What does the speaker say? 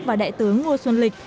và đại tướng ngô xuân lịch